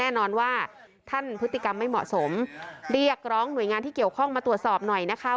แน่นอนว่าท่านพฤติกรรมไม่เหมาะสมเรียกร้องหน่วยงานที่เกี่ยวข้องมาตรวจสอบหน่อยนะคะ